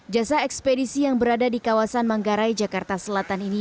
jasa ekspedisi yang berada di kawasan manggarai jakarta selatan ini